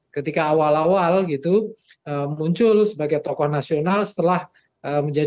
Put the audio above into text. ketika awal awal gitu muncul sebagai tokoh nasional setelah menjadi